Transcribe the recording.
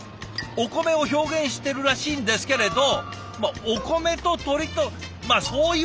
お米を表現してるらしいんですけれどお米と鶏とまあそう言われれば。